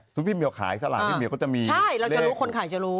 คือพี่เมียวขายสลากพี่เมียเขาจะมีใช่เราจะรู้คนขายจะรู้